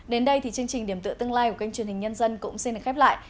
đến đây thì chương trình điểm tựa tương lai của kênh truyền hình nhân dân cũng xin được khép lại